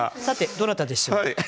さてどなたでしょう？